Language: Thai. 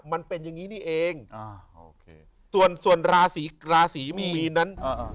มันเป็นอย่างงี้นี่เองอ่าโอเคส่วนส่วนราศีราศีมีนนั้นอ่า